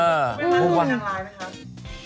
นางร้ายไหมครับ